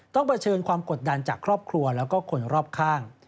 เผชิญความกดดันจากครอบครัวแล้วก็คนรอบข้าง